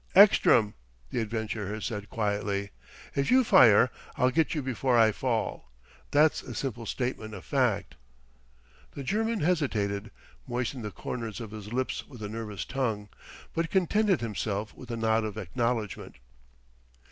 "Ekstrom," the adventurer said quietly, "if you fire, I'll get you before I fall. That's a simple statement of fact." The German hesitated, moistened the corners of his lips with a nervous tongue, but contented himself with a nod of acknowledgement.